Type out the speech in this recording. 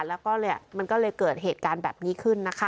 แล้วก็เลยมันก็เลยเกิดเหตุการณ์แบบนี้ขึ้นนะคะ